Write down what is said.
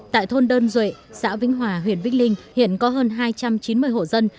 tại thôn đơn duệ xã vĩnh hòa huyện vĩnh linh hiện có hơn hai trăm chín mươi hộ dân